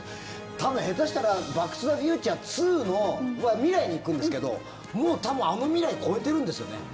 多分、下手したら「バック・トゥ・ザ・フューチャー２」は未来に行くんですけど、もう多分あの未来超えてるんですよね。